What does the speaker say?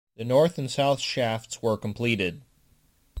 The north and south shafts were completed.